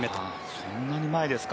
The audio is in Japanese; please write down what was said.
そんなに前ですか。